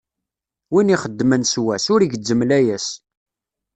Win ixeddmen s wass, ur igezzem layas.